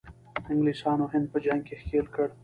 انګلیسانو هند په جنګ کې ښکیل کړ.